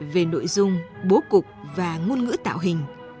về nội dung bố cục và ngôn ngữ tạo hình